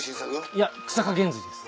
いや久坂玄瑞です。